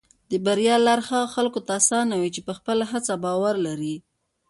د بریا لار هغه خلکو ته اسانه وي چې په خپله هڅه باور لري.